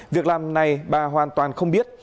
việc làm này bà hoàn toàn không biết